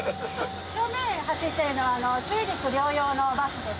正面走っているのは水陸両用のバスです。